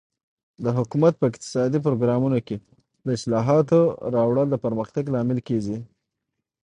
د حکومت په اقتصادي پروګرامونو کې د اصلاحاتو راوړل د پرمختګ لامل کیږي.